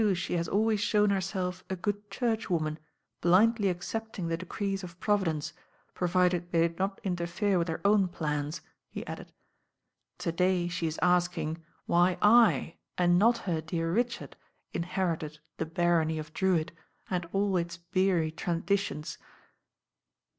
"Hitherto she has always shown herself a good churchwoman, blindly accepting the decrees of Providence, provided they did not interfere with her own plans," he added. "To^lay she is asking why I and not her dear Richard inherited the barony of Drewitt and all its beery traditions."